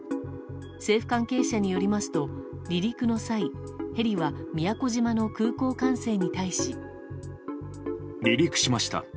政府関係者によりますと離陸の際、ヘリは宮古島の離陸しました。